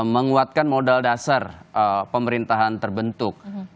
menguatkan modal dasar pemerintahan terbentuk